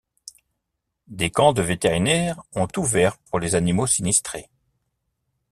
Des camps de vétérinaires ont ouverts pour les animaux sinistrés.